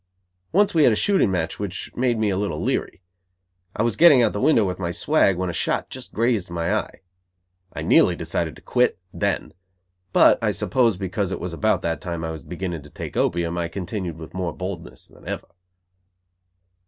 Once we had a shooting match which made me a little leary. I was getting out the window with my swag, when a shot just grazed my eye. I nearly decided to quit then, but, I suppose because it was about that time I was beginning to take opium, I continued with more boldness than ever.